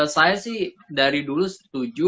saya sih dari dulu setuju